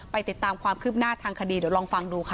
ติดตามความคืบหน้าทางคดีเดี๋ยวลองฟังดูค่ะ